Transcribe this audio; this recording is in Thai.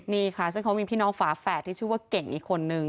นี่ค่ะซึ่งเขามีพี่น้องฝาแฝดที่ชื่อว่าเก่งอีกคนนึง